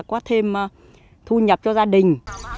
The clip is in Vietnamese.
quát thêm thu nhập cho gia đình